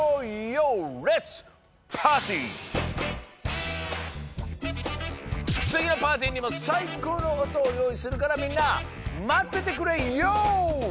レッツつぎのパーティーにもさいこうのおとをよういするからみんなまっててくれＹＯ！